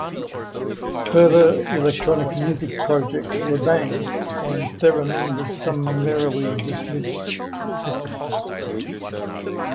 Further electronic music projects were banned, and Theremin was summarily dismissed.